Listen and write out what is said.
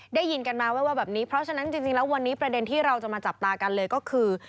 ได้ยินกันมาแววแบบนี้เพราะฉะนั้นจริงแล้ววันนี้ประเด็นที่เราจะมาจับตากันเลยก็คือ